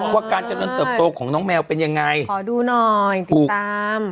ว่าการเจริญเติบโตของน้องแมวเป็นยังไงขอดูหน่อยถูกตาม